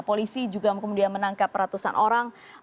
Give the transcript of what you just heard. polisi juga kemudian menangkap ratusan orang